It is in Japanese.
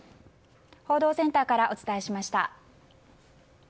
報道センターからお伝えしました。